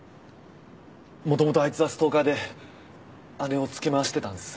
もともとあいつはストーカーで姉を付け回してたんです。